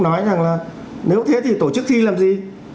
nói rằng là nếu thế thì tổ chức thi làm gì